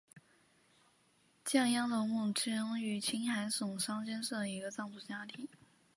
降央伯姆生于青海省囊谦县的一个藏族家庭。